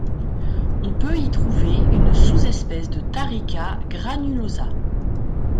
On peut y trouve une sous-espèce de taricha granulosa.